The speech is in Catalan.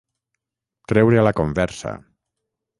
Treure a la conversa.